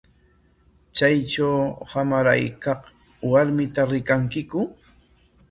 ¿Chaytraw hamaraykaq warmita rikankiku?